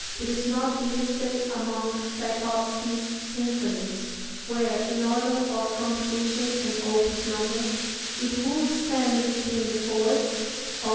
It is not listed among Tschaikowsky's symphonies where, in order of composition and opus number, it would stand between the Fourth (Op.